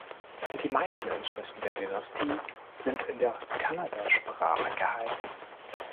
Die meisten Inschriften der Dynastie sind in der Kannada-Sprache gehalten.